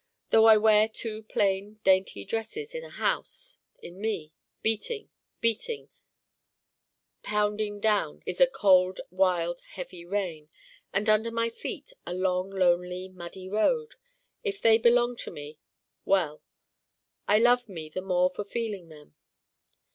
Though I wear two plain dainty dresses, in a house in me, beating, beating, pounding down is a cold wild heavy rain: and under my feet a long lonely muddy road. If they belong to me well. I love Me the more for feeling them.